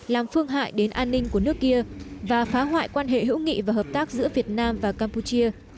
làm phương hại đến an ninh của nước kia và phá hoại quan hệ hữu nghị và hợp tác giữa việt nam và campuchia